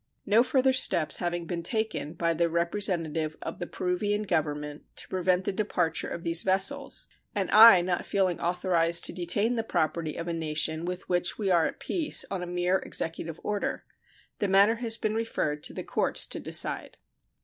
No further steps having been taken by the representative of the Peruvian Government to prevent the departure of these vessels, and I not feeling authorized to detain the property of a nation with which we are at peace on a mere Executive order, the matter has been referred to the courts to decide.